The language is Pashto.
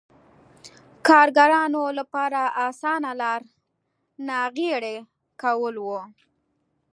کارګرانو لپاره اسانه لار ناغېړي کول و.